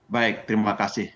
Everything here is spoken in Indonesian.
baik terima kasih